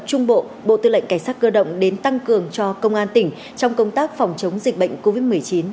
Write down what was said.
trung bộ bộ tư lệnh cảnh sát cơ động đến tăng cường cho công an tỉnh trong công tác phòng chống dịch bệnh covid một mươi chín